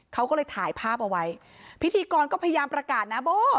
เขาก็เลยถ่ายภาพเอาไว้พิธีกรก็พยายามประกาศนะโบ้